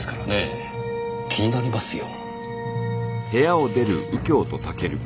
気になりますよ。